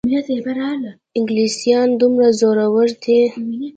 انګلیسیان دومره زورور دي.